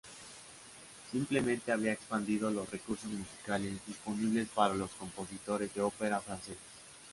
Simplemente había expandido los recursos musicales disponibles para los compositores de ópera franceses.